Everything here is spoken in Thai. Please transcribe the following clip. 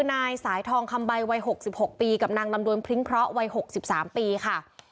นายสายทองคำใบวัยหกสิบหกปีกับนางดำดวนพริ้งพร้อวัยหกสิบสามปีค่ะ